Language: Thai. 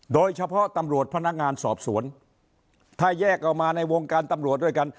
โดยเฉพาะตำรวจพนักงานสอบสวนถ้าแยกออกมาในวงการตำรวจด้วยกัน